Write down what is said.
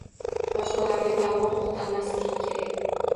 Boshqalarga barmoq o’qtalmasliging kerak.